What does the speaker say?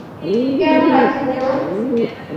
কেন রাখিব না?